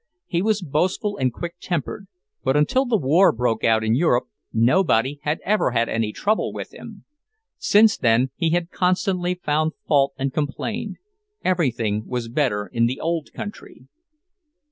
He was boastful and quick tempered, but until the war broke out in Europe nobody had ever had any trouble with him. Since then he had constantly found fault and complained, everything was better in the Old Country.